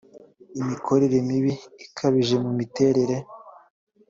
imikorere mibi ikabije mu miterere